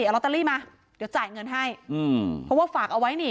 เอาลอตเตอรี่มาเดี๋ยวจ่ายเงินให้อืมเพราะว่าฝากเอาไว้นี่